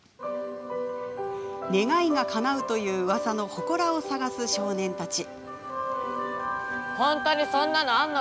願いがかなうといううわさのほこらを探す少年たち。